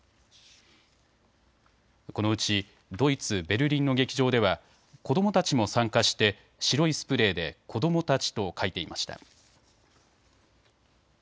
このうちドイツ・ベルリンの劇場では子どもたちも参加して白いスプレーで子どもたちと書いていました。